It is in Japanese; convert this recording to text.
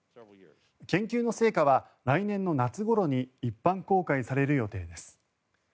研究の成果は来年の夏ごろに一般公開される予定です。